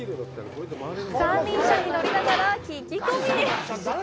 三輪車に乗りながら、聞き込み。